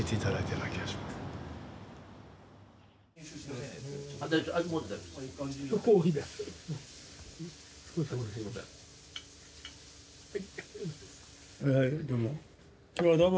はいはいどうも。